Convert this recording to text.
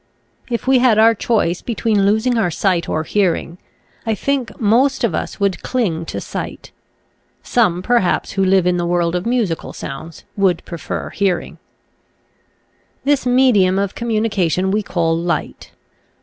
If we had our choice between losing our sight or hearing I think most of us would cling to sight. Some perhaps who live in the world of musical sounds would prefer hear ing. This medium of communication we call light.